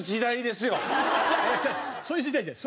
そういう時代じゃない。